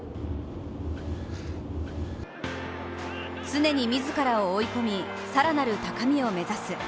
常に自らを追い込み、更なる高みを目指す。